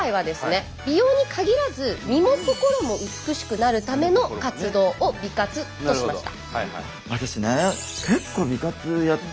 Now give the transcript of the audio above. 美容に限らず身も心も美しくなるための活動を美活としました。